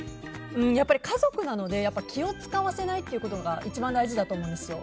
やっぱり家族なので気を使わせないことが一番大事だと思うんですよ。